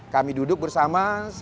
kami duduk bersama